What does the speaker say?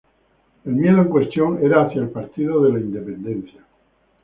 El miedo en cuestión era hacia el Partido de la Independencia.